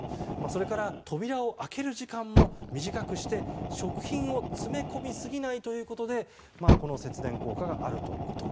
それから扉を開ける時間も短くして食品を詰め込みすぎないことで節電効果があるということ。